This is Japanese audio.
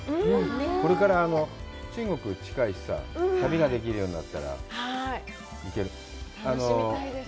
これから、中国は近いしさぁ、旅ができるようになったら、いける？